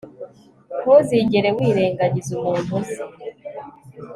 ntuzigere wirengagiza umuntu uzi